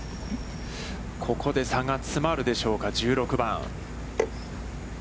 ここで差が詰まるでしょうか１６番。